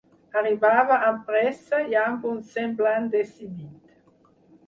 Arribava amb pressa i amb un semblant decidit.